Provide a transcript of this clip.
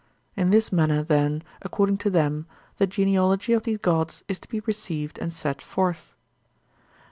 In this manner, then, according to them, the genealogy of these gods is to be received and set forth.